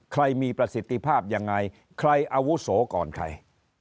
ใครมีประสิทธิภาพยังไงใครอาวุโสก่อนใคร